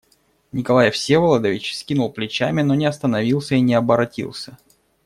Николай Всеволодович вскинул плечами, но не остановился и не оборотился.